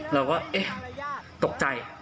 เราก็เอ๊ะตกใจ